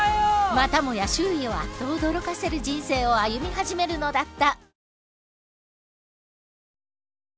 またもや周囲をあっと驚かせる人生を歩み始めるのだった。